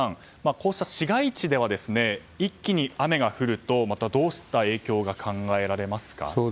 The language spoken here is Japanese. こうした市街地では一気に雨が降るとどうした影響が考えられますか？